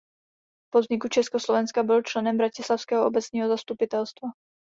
Po vzniku Československa byl členem bratislavského obecního zastupitelstva.